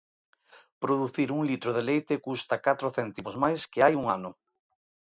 Producir un litro de leite custa catro céntimos máis que hai un ano.